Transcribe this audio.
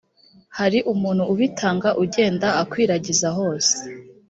hari umuntu ubitanga ugenda akwiragiza hose